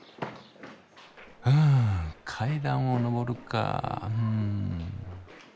ん階段を上るかうん。